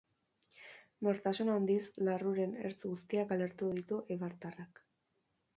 Nortasun handiz, larruaren ertz guztiak aletu ditu eibartarrak.